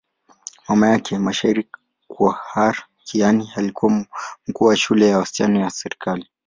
Mama yake, mshairi Khawar Kiani, alikuwa mkuu wa shule ya wasichana ya serikali.